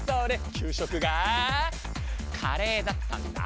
給食がカレーだったんだ。